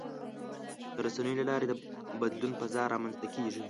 د رسنیو له لارې د بدلون فضا رامنځته کېږي.